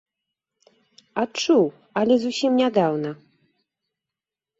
Адчуў, але зусім нядаўна.